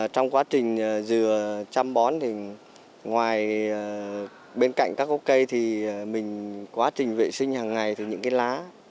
trong quá trình dừa chăm bón bên cạnh các cây quá trình vệ sinh hàng ngày thì những cái lá